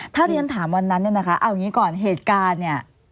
ถ้าที่ฉันถามวันนั้นเนี่ยนะคะเอาอย่างนี้ก่อนเหตุการณ์เนี่ย